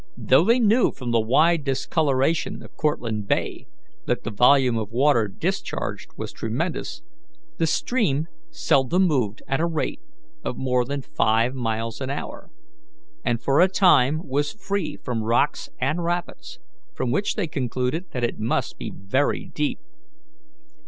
Though they knew from the wide discoloration of Cortlandt Bay that the volume of water discharged was tremendous, the stream seldom moved at a rate of more than five miles an hour, and for a time was free from rocks and rapids, from which they concluded that it must be very deep.